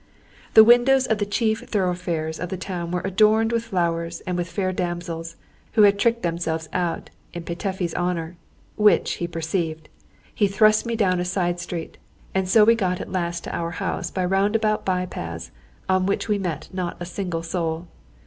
The windows of the chief thoroughfares of the town were adorned with flowers and with fair damsels, who had tricked themselves out in Petöfi's honour, which, when he perceived, he thrust me down a side street, and so we got at last to our house by roundabout by paths, on which we met not a single soul.